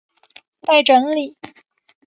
待整理